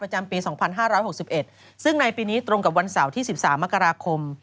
จำปี๒๕๖๑ซึ่งในปีนี้ตรงกับวันเสาร์ที่๑๓มกราคม